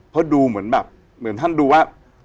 เพราะดูเหมือนแบบเหมือนท่านดูว่า